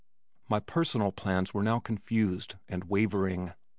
My personal plans were now confused and wavering.